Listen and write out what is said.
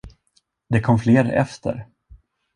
Det kom fler efter.